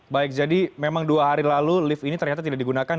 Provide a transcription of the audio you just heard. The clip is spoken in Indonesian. baik jadi memang dua hari lalu lift ini ternyata tidak digunakan